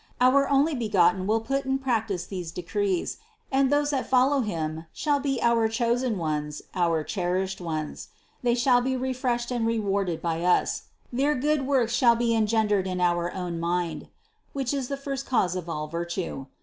Our Only begotten will put in practice these decrees, and those that follow Him shall be our chosen ones, our cherished ones; they shall be refreshed and rewarded by Us; their good works shall be engendered in our own mind, which is the first cause of all virtue.